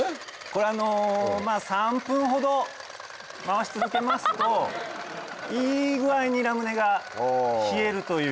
これ３分ほど回し続けますといい具合にラムネが冷えるという。